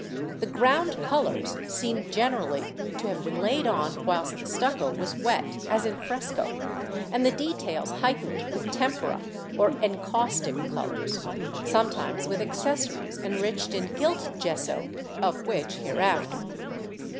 The ground colours seem generally to have been laid on whilst the stucco was wet, as in fresco, and the details heightened with tempera or encaustic colours, sometimes with accessories enriched in gilt "gesso" (of which hereafter).